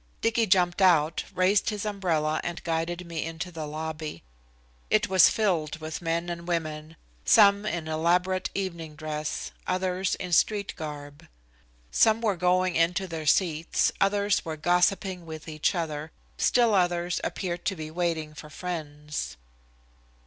Dicky jumped out, raised his umbrella and guided me into the lobby. It was filled with men and women, some in elaborate evening dress, others in street garb. Some were going in to their seats, others were gossiping with each other, still others appeared to be waiting for friends.